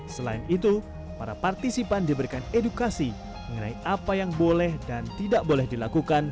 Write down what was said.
selain itu para partisipan diberikan edukasi mengenai apa yang boleh dan tidak boleh dilakukan